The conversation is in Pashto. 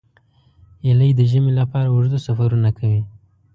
هیلۍ د ژمي لپاره اوږده سفرونه کوي